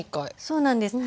そうなんです。